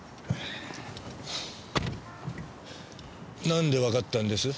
なんでわかったんです？